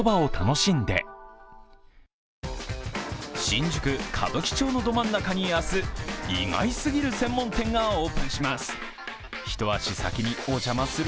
新宿・歌舞伎町のど真ん中に明日、意外すぎる専門店がオープンします。